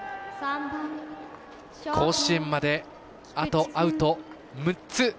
甲子園まで、あとアウト６つ。